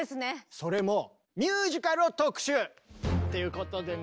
それもミュージカルを特集！ということでね。